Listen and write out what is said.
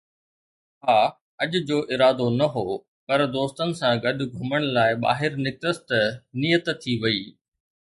ها، اڄ جو ارادو نه هو، پر دوستن سان گڏ گهمڻ لاءِ ٻاهر نڪتس، ته نيت ٿي وئي